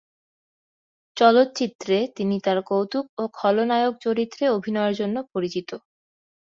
চলচ্চিত্রে তিনি তার কৌতুক ও খলনায়ক চরিত্রে অভিনয়ের জন্য পরিচিত।